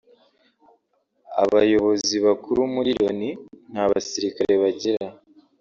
Abayobozi bakuru muri Loni nta basirikare bagira